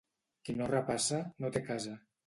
Qui no repassa, no té casa.